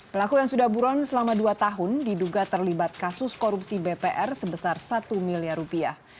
pelaku yang sudah buron selama dua tahun diduga terlibat kasus korupsi bpr sebesar satu miliar rupiah